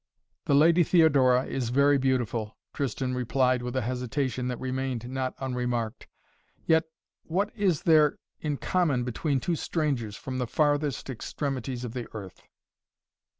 "The Lady Theodora is very beautiful," Tristan replied with a hesitation that remained not unremarked. "Yet, what is there in common between two strangers from the farthest extremities of the earth?"